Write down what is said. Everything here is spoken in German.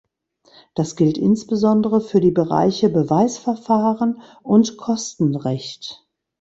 Das gilt insbesondere für die Bereiche Beweisverfahren und Kostenrecht.